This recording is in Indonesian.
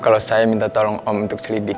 kalau saya minta tolong om untuk selidiki om